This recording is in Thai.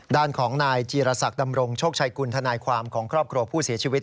ด้านของนายจีรศักดำรงโชคชัยกุลทนายความของครอบครัวผู้เสียชีวิต